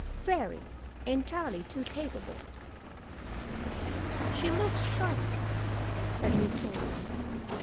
"Very. Entirely too capable." "She looks sharp," said Miss Emily.